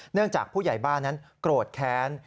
จากผู้ใหญ่บ้านนั้นโกรธแค้น